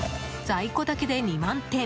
在庫だけで２万点。